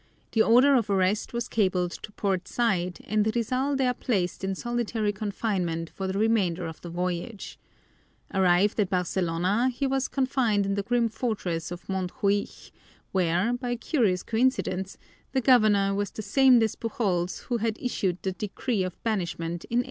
The order of arrest was cabled to Port Said and Rizal there placed in solitary confinement for the remainder of the voyage. Arrived at Barcelona, he was confined in the grim fortress of Montjuich, where; by a curious coincidence, the governor was the same Despujols who had issued the decree of banishment in 1892.